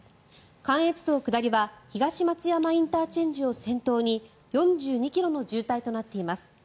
関越道下りは東松山ＩＣを先頭に４２ｋｍの渋滞となっています。